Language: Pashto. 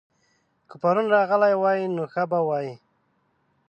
که پرون راغلی وای؛ نو ښه به وای